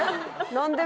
何で？